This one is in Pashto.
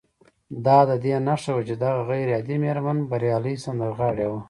دا د دې نښه وه چې دغه غير عادي مېرمن بريالۍ سندرغاړې وه